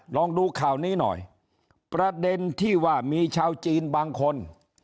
ลองดูข่าวนี้หน่อยประเด็นที่ว่ามีชาวจีนบางคน